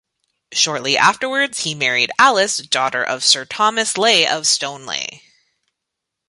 Shortly afterwards he married Alice, daughter of Sir Thomas Leigh of Stoneleigh.